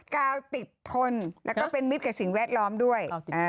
กาลติดทนและก็เป็นมิดไกลของสิ่งแวดล้อมด้วย